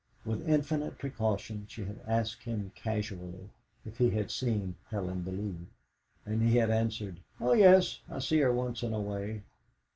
With infinite precaution she had asked him casually if he had seen Helen Bellew, and he had answered, "Oh yes, I see her once in a way!"